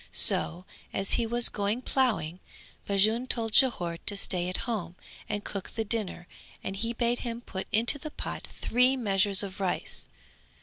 So, as he was going ploughing, Bajun told Jhore to stay at home and cook the dinner and he bade him put into the pot three measures of rice.